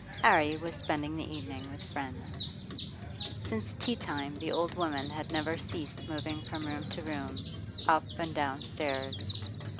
'Arry was spending the evening with friends. Since tea time the old woman had never ceased moving from room to room, up and down stairs.